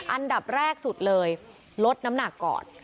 อันดับแรกสุดเลยลดน้ำหนักก่อน